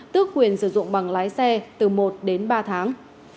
tước quyền sử dụng bằng lái xe từ một đến ba tháng